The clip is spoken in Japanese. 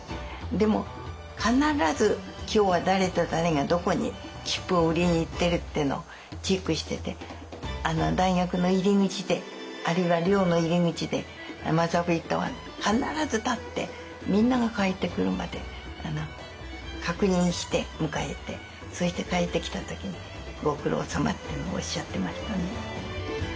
でも必ず今日は誰と誰がどこに切符を売りに行ってるっていうのをチェックしてて大学の入り口であるいは寮の入り口でマザー・ブリットは必ず立ってみんなが帰ってくるまで確認して迎えてそして帰ってきた時に「ご苦労さま」っていうのをおっしゃってましたね。